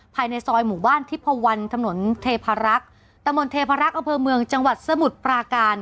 ภายในซอยหมู่บ้านทิพวันถนนเทพารักษ์ตะมนตเทพรักษ์อำเภอเมืองจังหวัดสมุทรปราการ